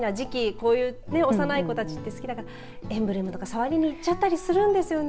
こういう幼い子たちって好きなのでエンブレムとか触りに行っちゃったりするんですよね。